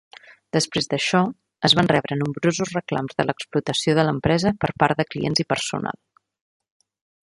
Després d'això, es van rebre nombrosos reclams de l'explotació de l'empresa per part de clients i personal.